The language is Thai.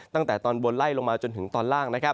ตั้งแต่ตอนบนไล่ลงมาจนถึงตอนล่าง